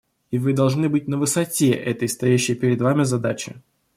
И вы должны быть на высоте этой стоящей перед вами задачи.